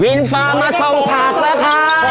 วินฟาร์มมาส่องผักแล้วค่ะ